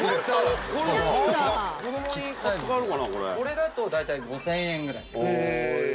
これだと大体５０００円ぐらいです。